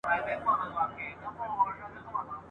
نه یم په مالت کي اشیانې راپسي مه ګوره ..